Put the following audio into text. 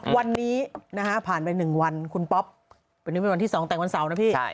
วันนี้นะฮะผ่านไป๑วันคุณป๊อปวันนี้เป็นวันที่๒แต่งวันเสาร์นะพี่